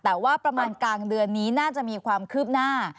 แต่ว่าประมาณกลางเดือนนี้น่าจะมีความคืบหน้า